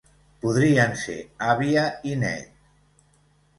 Podrien ser àvia i net.